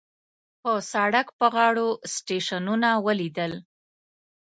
په سړک په غاړو سټیشنونه وليدل.